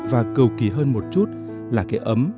và cầu kỳ hơn một chút là cái ấm